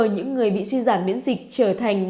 những người bị suy giảm miễn dịch trở thành